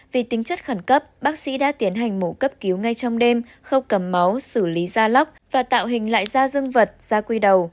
vì tính chất khẩn cấp bác sĩ đã tiến hành mổ cấp cứu ngay trong đêm khâu cầm máu xử lý da lóc và tạo hình lại da dân vật ra quy đầu